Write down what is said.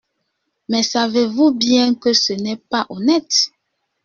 Mais savez-vous bien que ce n’est pas honnête !…